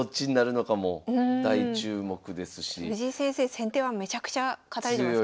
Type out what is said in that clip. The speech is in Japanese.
藤井先生先手はめちゃくちゃ勝たれてますからね。